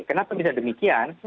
kenapa bisa demikian